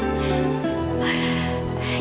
saya sudah berhenti